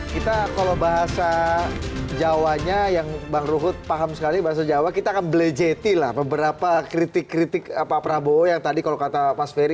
kita kalau bahasa jawanya yang bang ruhut paham sekali bahasa jawa kita akan belejeti lah beberapa kritik kritik pak prabowo yang tadi kalau kata mas ferry